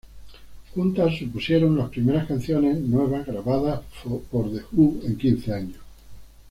Juntas supusieron las primeras canciones nuevas grabadas por The Who en quince años.